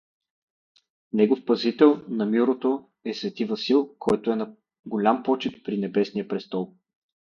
Неговият пазител, на мирото, е св. Васил, който е на голям почит при небесния престол.